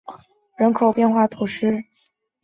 米拉杜人口变化图示